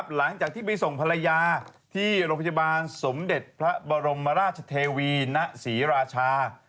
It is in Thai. หลังจากที่ไปส่งภรรยาที่โรงพยาบาลสมเด็จพระบรมราชเทวีณศรีราชา